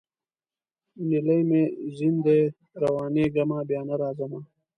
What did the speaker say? نیلی مي ځین دی روانېږمه بیا نه راځمه